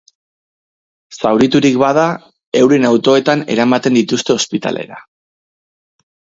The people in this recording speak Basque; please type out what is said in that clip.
Zauriturik bada, euren autoetan eramaten dituzte ospitalera.